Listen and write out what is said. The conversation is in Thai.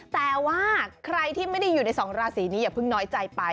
แต่ว่าใครที่ไม่ได้อยู่ในสองราศีนี้อย่าเพิ่งน้อยใจไป